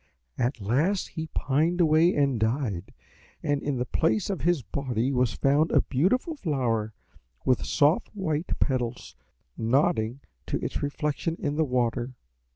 "At last he pined away and died, and in the place of his body was found a beautiful flower, with soft white petals, nodding to its reflection in the water.